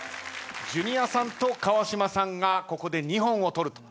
ジュニアさんと川島さんがここで２本を取るという形に。